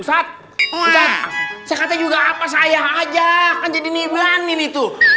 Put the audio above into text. usah exploring kata juga apa saya ajak kan jadi wangi gitu